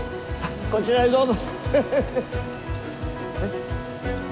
こちらへどうぞ。